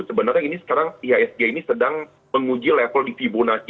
sebenarnya ini sekarang ihsg ini sedang menguji level di fibonacci enam puluh satu delapan